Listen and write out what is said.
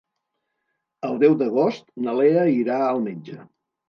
El deu d'agost na Lea irà al metge.